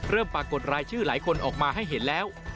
ปรากฏรายชื่อหลายคนออกมาให้เห็นแล้ว